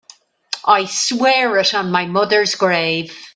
I swear it on my mother's grave.